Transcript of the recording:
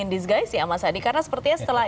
disguise ya mas adi karena sepertinya setelah